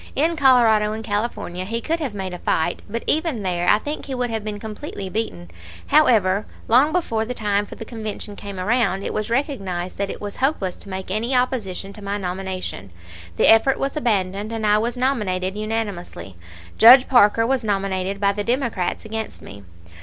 In Colorado and California he could have made a fight, but even there I think he would have been completely beaten. However, long before the time for the Convention came around, it was recognized that it was hopeless to make any opposition to my nomination. The effort was abandoned, and I was nominated unanimously. Judge Parker was nominated by the Democrats against me.